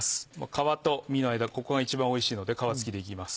皮と身の間ここが一番おいしいので皮付きでいきます。